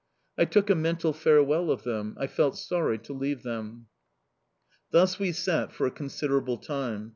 I took a mental farewell of them; I felt sorry to leave them... Thus we sat for a considerable time.